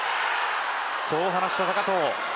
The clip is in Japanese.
そう話した高藤。